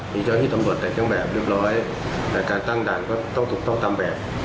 มีเจ้าหน้าที่ตำรวจในเครื่องแบบเรียบร้อยแต่การตั้งด่านก็ต้องถูกต้องตามแบบ